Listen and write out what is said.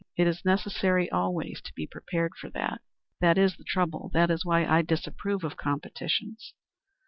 It is necessary always to be prepared for that." "That is the trouble. That is why I disapprove of competitions."